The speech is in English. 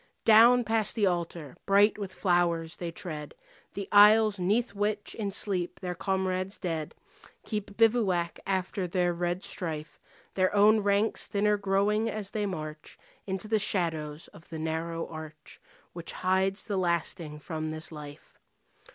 Down past the altar, bright with flowers, they tread The aisles 'neath which in sleep their comrades dead Keep bivouac after their red strife, Their own ranks thinner growing as they march Into the shadows of the narrow arch Which hides the lasting from this life.